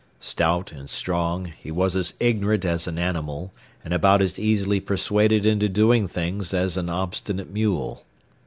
Stout and strong, he was as ignorant as an animal and about as easily persuaded into doing things as an obstinate mule.